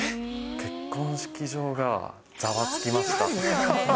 結婚式場がざわつきました。